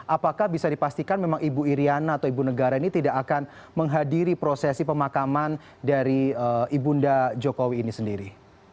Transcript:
apakah bisa dipastikan memang ibu iryana atau ibu negara ini tidak akan menghadiri prosesi pemakaman dari ibu nda jokowi ini sendiri